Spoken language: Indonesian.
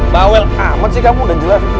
bawel amat sih kamu udah jelas